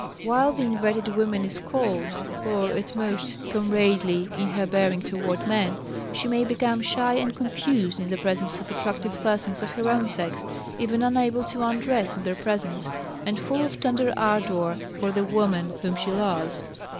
While the inverted woman is cold, or, at most, comradely in her bearing toward men, she may become shy and confused in the presence of attractive persons of her own sex, even unable to undress in their presence, and full of tender ardor for the woman whom she loves.